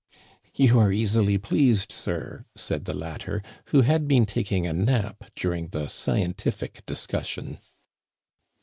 You are easily pleased, sir," said the latter, who had been taking a nap during the scientific discussion.